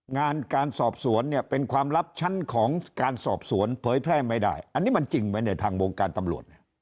งานการสอบสวนเนี่ยเป็นความลับชั้นของการสอบสวนเผยแพร่ไม่ได้อันนี้มันจริงไหมในทางวงการตำรวจ